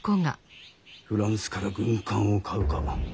フランスから軍艦を買うか。